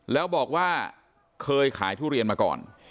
แล้วบอกว่าเคยขายทุเรียนมาก่อน